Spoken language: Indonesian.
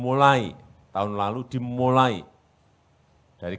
menurut saya persoalan persoalan diserap lebih banyak